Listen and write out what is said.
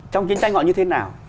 trong chiến tranh họ như thế nào